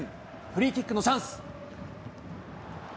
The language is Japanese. フリーキックのチャンス。